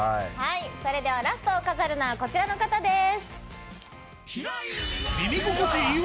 ラストを飾るのはこちらの方です。